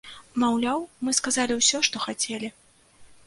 Маўляў, мы сказалі ўсё, што хацелі.